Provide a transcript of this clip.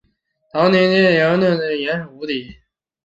陶代尼的盐矿位于一个古老的咸水湖的湖底。